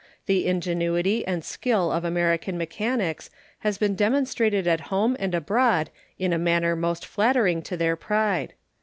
The ingenuity and skill of American mechanics have been demonstrated at home and abroad in a manner most flattering to their pride.